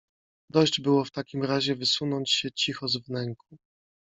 Dość było w takim razie wysunąć się cicho z wnęku.